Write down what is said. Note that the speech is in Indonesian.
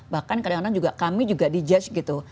bahkan kadang kadang juga kami juga di judge gitu